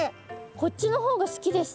こっちの方が好きですでも。